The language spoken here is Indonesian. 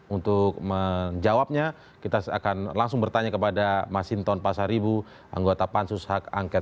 untuk menjawabnya kita akan langsung bertanya kepada masinton pasaribu anggota pansus hak angket